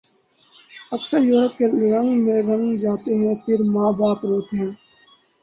اکثر یورپ کے رنگ میں رنگ جاتے ہیں پھر ماں باپ روتے ہیں